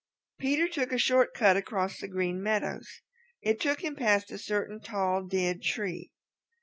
Peter took a short cut across the Green Meadows. It took him past a certain tall, dead tree.